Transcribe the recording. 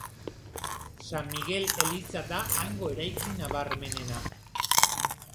San Migel eliza da hango eraikin nabarmenena.